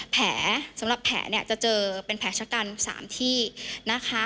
แผลสำหรับแผลเนี่ยจะเจอเป็นแผลชะกัน๓ที่นะคะ